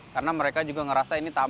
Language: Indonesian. karena mereka juga ngerasa ini tak baik